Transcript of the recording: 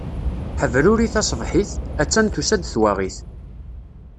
Ḥebruri taṣebḥit, a-tt-an tusa-d twaɣit.